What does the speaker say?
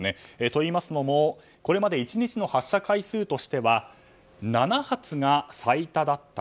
といいますのもこれまで１日の発射回数としては７発が最多だった。